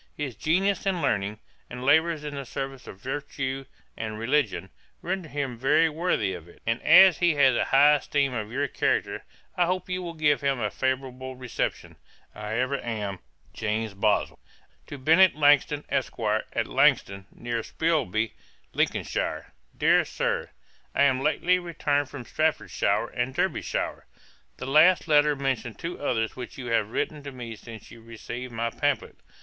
'His genius and learning, and labours in the service of virtue and religion, render him very worthy of it; and as he has a high esteem of your character, I hope you will give him a favourable reception. I ever am, &c. 'JAMES BOSWELL.' 'To BENNET LANGTON, ESQ., AT LANGTON, NEAR SPILSBY, LINCOLNSHIRE. 'DEAR SIR, 'I am lately returned from Staffordshire and Derbyshire. The last letter mentions two others which you have written to me since you received my pamphlet.